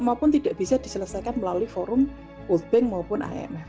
maupun tidak bisa diselesaikan melalui forum world bank maupun imf